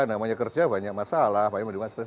namanya kerja banyak masalah banyak masalah stres